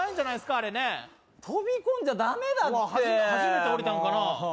あれね飛び込んじゃダメだってもう初めておりたのかな？